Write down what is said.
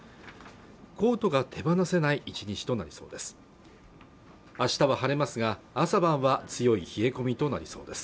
コートが手放せない１日となりそうです